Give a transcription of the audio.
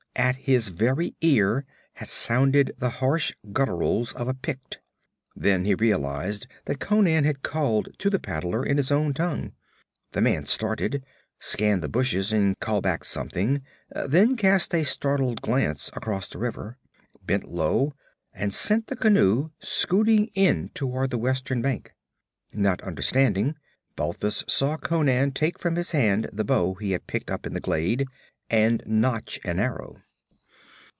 At his very ear had sounded the harsh gutturals of a Pict. Then he realized that Conan had called to the paddler in his own tongue. The man started, scanned the bushes and called back something, then cast a startled glance across the river, bent low and sent the canoe shooting in toward the western bank. Not understanding, Balthus saw Conan take from his hand the bow he had picked up in the glade, and notch an arrow.